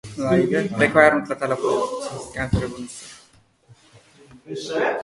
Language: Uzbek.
Ilm nihoyasiz kurash demakdir.